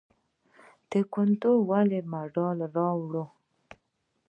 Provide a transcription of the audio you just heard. تکواندو ولې مډال راوړ؟